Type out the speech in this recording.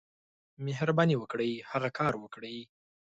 مهرباني وکړئ، هغه کار وکړئ.